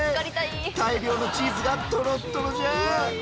大量のチーズがとろっとろじゃ。